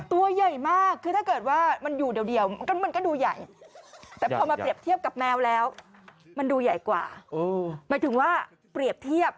ตัวใหญ่มากคือถ้าเกิดว่ามันอยู่เดียวมันก็ดูใหญ่แต่พอมาเปรียบเทียบกับแมวแล้วมันดูใหญ่กว่าหมายถึงว่าเปรียบเทียบ